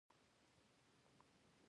د کندهار د سیمې اخبار طلوع افغان نومېده.